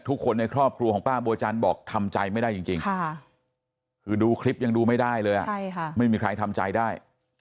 ทุกคนในครอบครัวของป้าบัวจันทร์บอกทำใจไม่ได้จริงคือดูคลิปยังดูไม่ได้เลยไม่มีใครทำใจได้